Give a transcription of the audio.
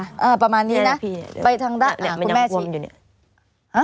อ่าประมาณนี้นะไปทางด้านอ่าคุณแม่ชิดอ่ามันยังบวมอยู่เนี้ยอ่า